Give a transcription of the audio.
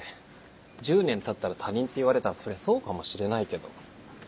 １０年たったら他人って言われたらそりゃそうかもしれないけど。